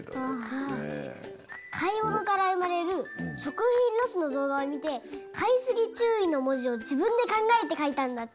かいものからうまれるしょくひんロスのどうがをみて「かいすぎちゅうい」のもじをじぶんでかんがえてかいたんだって。